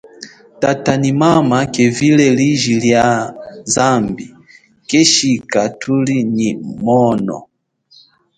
Tata nyi mama kevile liji lia zambi keshika thuli nyi mono.